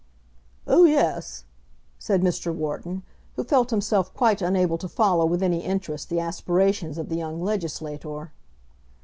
"Oh, yes," said Mr. Wharton, who felt himself quite unable to follow with any interest the aspirations of the young legislator.